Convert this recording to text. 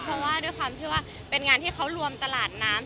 เพราะเป็นงานที่เขารวมตลาดน้ำ